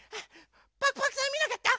パクパクさんみなかった？